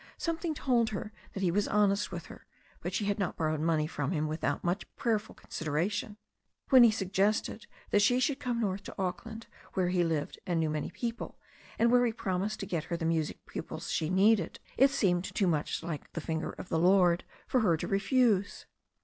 Something told her that he was honest with her, but she had not borrowed money from him without much prayerful coiisideration. When he suggested that she should come north to Auckland where he lived and knew many people, and where he promised to get her the music pupils she needed, it seemed too much like the finger of the Lord for her to refuse.